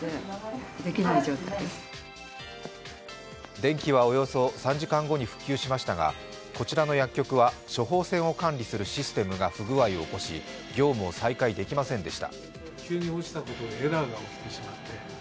電気はおよそ３時間後に復旧しましたがこちらの薬局は処方箋を管理するシステムが不具合を起こし、業務を再開できませんでした。